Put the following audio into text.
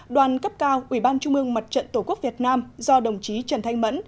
đoàn cấp cao ủy ban trung ương mặt trận tổ quốc việt nam do đồng chí trần thanh mẫn